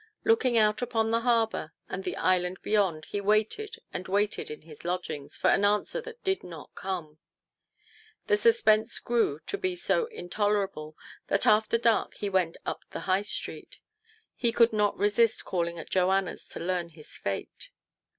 Looking out upon the harbour and the island beyond he waited and waited in his lodgings for an answer that did not come. The suspense grew to be so intolerable that after dark he went up the High Street. He could not resist calling at Joanna's to learn his fate.